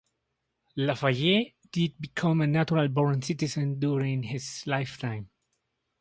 Lafayette did become a natural-born citizen during his lifetime.